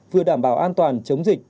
vừa đảm bảo an toàn chống dịch